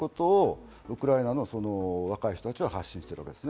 ウクライナの若い人たちは発信しているわけです。